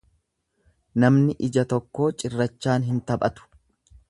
Namni ija tokkoo cirrachaan hin taphatu.